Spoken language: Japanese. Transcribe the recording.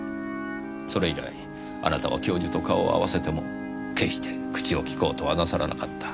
それ以来あなたは教授と顔を合わせても決して口を利こうとはなさらなかった。